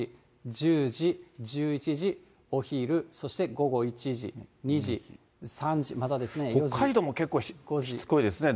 ８時、９時、１０時、１１時、お昼、そして午後１時、２時、３時、北海道も結構、しつこいですね。